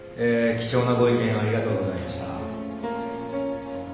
貴重なご意見ありがとうございました。